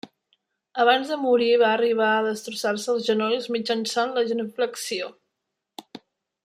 Abans de morir va arribar a destrossar-se els genolls mitjançant la genuflexió.